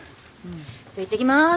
じゃあいってきます。